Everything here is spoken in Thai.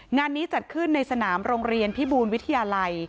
งานนี้จัดขึ้นในสนามโรงเรียนพิบูลวิทยาลัย